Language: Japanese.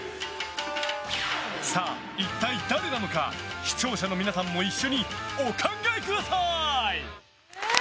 さあ、一体誰なのか視聴者の皆さんも一緒にお考えください！